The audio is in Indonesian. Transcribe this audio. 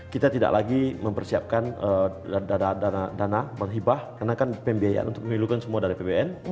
kita tidak lagi mempersiapkan dana menghibah karena kan pembiayaan untuk memilukan semua dari pbn